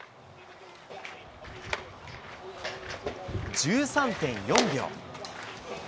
１３．４秒。